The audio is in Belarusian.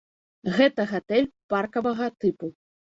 Гэта гатэль паркавага тыпу.